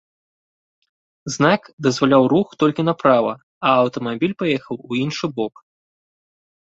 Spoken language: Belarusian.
Знак дазваляў рух толькі направа, а аўтамабіль паехаў у іншы бок.